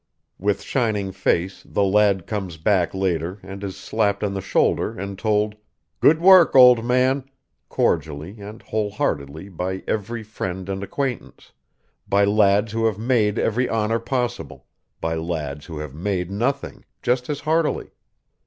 With shining face the lad comes back later and is slapped on the shoulder and told, "good work, old man," cordially and whole heartedly by every friend and acquaintance by lads who have "made" every honor possible, by lads who have "made" nothing, just as heartily.